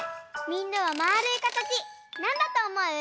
みんなはまあるいかたちなんだとおもう？